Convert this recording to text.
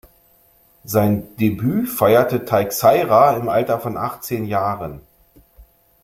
Sein Debüt feierte Teixeira im Alter von achtzehn Jahren.